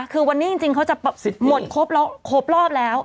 คือวันนี้จริงเขาจะหมดครบรอบแล้ว